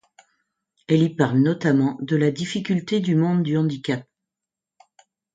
Elle y parle notamment de la difficulté du monde du handicap.